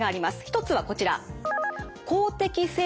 一つはこちら。